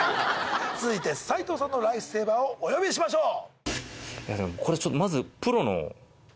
続いて斎藤さんのライフセイバーをお呼びしましょう。